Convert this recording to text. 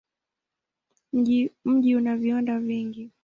Mji una viwanda vingi.